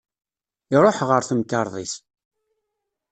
Iruḥ ɣer temkerḍit.